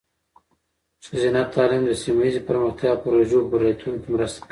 ښځینه تعلیم د سیمه ایزې پرمختیا پروژو په بریالیتوب کې مرسته کوي.